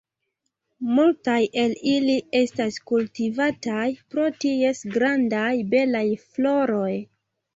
Multaj el ili estas kultivataj pro ties grandaj, belaj floroj.